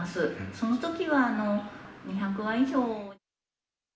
そのときは２００羽以上。